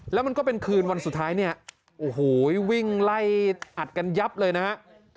แล้วมันก็เป็นคืนวันสุดท้ายเนี่ยโอ้โหวิ่งไล่อัดกันยับเลยนะฮะ